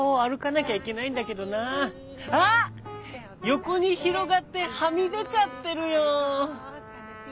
よこにひろがってはみでちゃってるよ。